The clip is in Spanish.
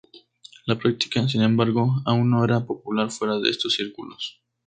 La práctica, sin embargo, aún no era popular fuera de estos círculos.